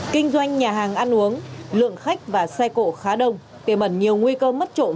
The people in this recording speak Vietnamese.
kinh doanh nhà hàng ăn uống lượng khách và xe cổ khá đông tiềm ẩn nhiều nguy cơ mất trộm